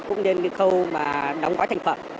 cũng đến những khâu đóng gói thành phẩm